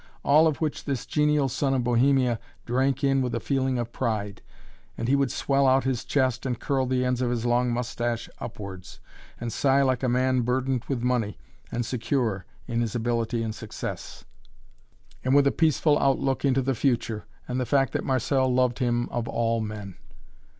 All of which this genial son of Bohemia drank in with a feeling of pride, and he would swell out his chest and curl the ends of his long mustache upwards, and sigh like a man burdened with money, and secure in his ability and success, and with a peaceful outlook into the future and the fact that Marcelle loved him of all men!